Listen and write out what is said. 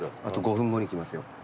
あと５分後に来ますよ。